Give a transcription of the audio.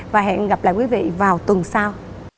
và hẹn gặp lại quý vị vào tuần sau